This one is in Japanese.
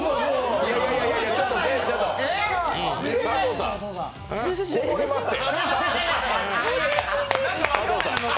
佐藤さん、こぼれまっせ。